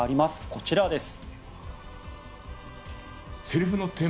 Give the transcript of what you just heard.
こちらです。